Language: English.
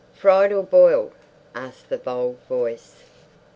"Fried or boiled?" asked the bold voice.